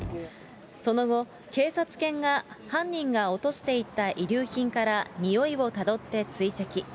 その後、警察犬が犯人が落としていった遺留品から臭いをたどって追跡。